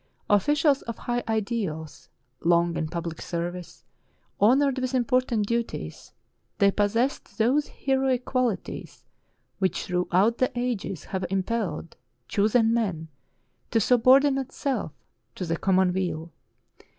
Officials of high ideals, long in public service, honored with important duties, they possessed those heroic qualities which throughout the ages have impelled chosen men to subordinate self to the common weal.